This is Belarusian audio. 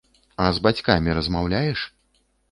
А з бацькамі размаўляеш?